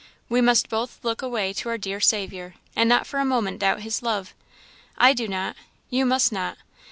We must both look away to our dear Saviour, and not for a moment doubt his love. I do not you must not.